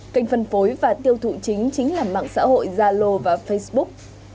kênh phân phối và tiêu thụ chính chính là mạng xã hội zalo và facebook